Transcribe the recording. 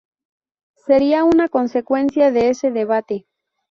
sería una consecuencia de ese debate